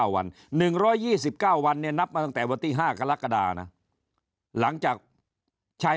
วัน๑๒๙วันเนี่ยนับมาตั้งแต่วันที่๕กรกฎานะหลังจากใช้